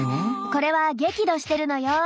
これは激怒してるのよ。